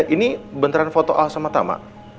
ini bentaran foto al sama tama